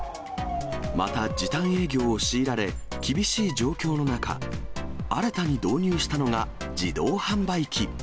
また時短営業を強いられ、厳しい状況の中、新たに導入したのが自動販売機。